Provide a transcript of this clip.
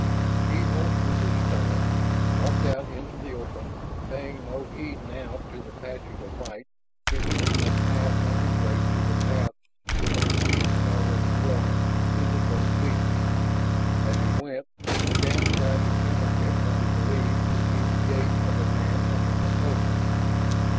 He holstered his stunner, walked out into the open, paying no heed now to the patches of light through which he must pass on his way to the path his own feet had already worn to the boat beach. As he went, Shann tried to counterfeit what he believed would be the gait of a man under compulsion.